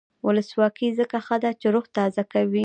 ولسواکي ځکه ښه ده چې روح تازه کوي.